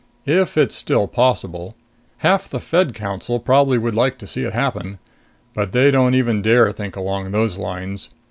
"If it's still possible. Half the Fed Council probably would like to see it happen. But they don't even dare think along those lines.